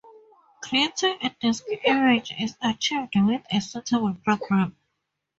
Creating a disk image is achieved with a suitable program.